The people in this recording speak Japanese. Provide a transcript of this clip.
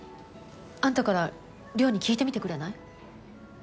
あんたから稜に聞いてみてくれない？